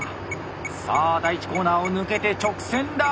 さあ第１コーナーを抜けて直線だ！